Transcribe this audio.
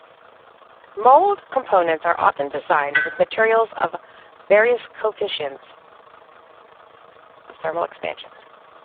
Mould components are often designed with materials of various coefficients of thermal expansion.